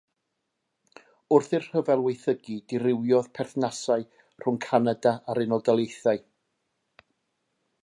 Wrth i'r rhyfel waethygu, dirywiodd perthnasau rhwng Canada a'r Unol Daleithiau.